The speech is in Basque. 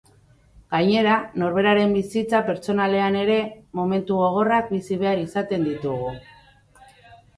Gainera, norberaren bizitza pertsonalean ere, momentu gogorrak bizi behar izaten ditugu.